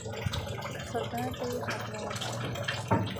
سلطنت ته یې خاتمه ورکړه.